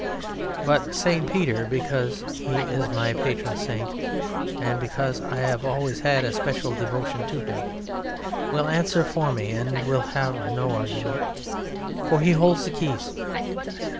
"But St. Peter, because he is my Patron Saint and because I have always had a special devotion to him, will answer for me and will have no argument, for he holds the keys.